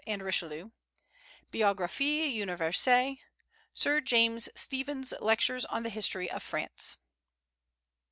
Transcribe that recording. and Richelieu; Biographie Universelle; Sir James Stephen's Lectures on the History of France.